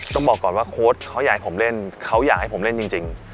ต้องบอกก่อนว่าโค้ดเขาอยากให้ผมเล่นเขาอยากให้ผมเล่นจริง